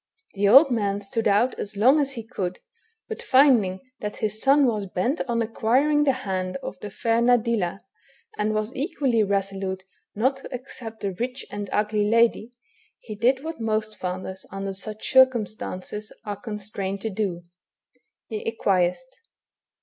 The old man stood out as long as he could, hut finding that his son was hent on acquiring the hand of the fair Nadilla, and was equally resolute not to accept the rich and ugly lady, he did what most fathers, under such circumstances, are constrained to do, he acquiesced.